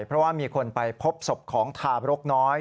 เพราะว่ามีคนไปพบศพของทาบรกน้อย